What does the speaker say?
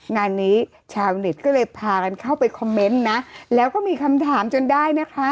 งานนี้ชาวเน็ตก็เลยพากันเข้าไปคอมเมนต์นะแล้วก็มีคำถามจนได้นะคะ